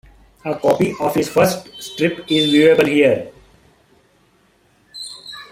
A copy of his first strip is viewable here.